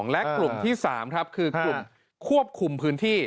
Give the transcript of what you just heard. และกลุ่มที่๓ครับคือกลุ่มควบคุมพื้นที่